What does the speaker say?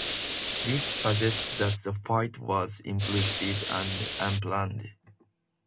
This suggests that the Flight was impulsive and unplanned.